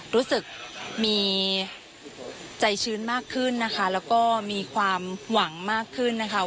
รู้สึกมีใจชื้นมากขึ้นนะคะแล้วก็มีความหวังมากขึ้นนะคะ